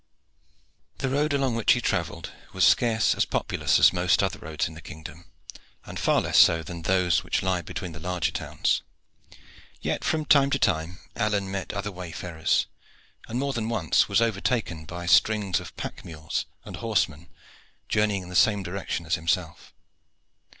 The road along which he travelled was scarce as populous as most other roads in the kingdom, and far less so than those which lie between the larger towns. Yet from time to time Alleyne met other wayfarers, and more than once was overtaken by strings of pack mules and horsemen journeying in the same direction as himself.